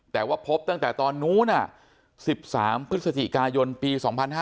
แต่ว่าพบตั้งแต่ตอนนู้น๑๓พฤศจิกายนปี๒๕๕๙